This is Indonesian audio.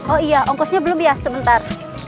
oh iya ongkosnya belum ya sebentar